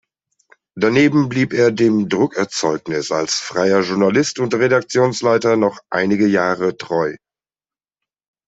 Daneben blieb er dem Druckerzeugnis als freier Journalist und Redaktionsleiter noch einige Jahre treu.